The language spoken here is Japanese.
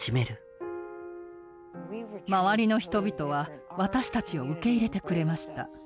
周りの人々は私たちを受け入れてくれました。